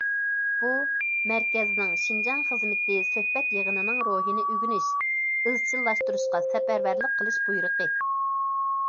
بۇ، مەركەزنىڭ شىنجاڭ خىزمىتى سۆھبەت يىغىنىنىڭ روھىنى ئۆگىنىش، ئىزچىللاشتۇرۇشقا سەپەرۋەرلىك قىلىش بۇيرۇقى.